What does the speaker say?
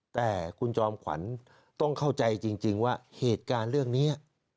แต่คุณจอมขวัญต้องเข้าใจจริงว่าเหตุการณ์เรื่องนี้